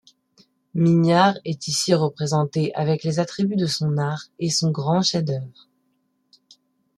Mignard est ici représenté avec les attributs de son art, et son grand chef-d'œuvre.